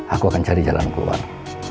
aku akan cari jalan keluar